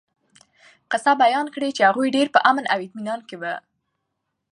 قصّه بيان کړي چې هغوي ډير په امن او اطمنان کي وو